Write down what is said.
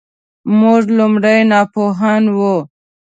موږ لومړی ناپوهان وو .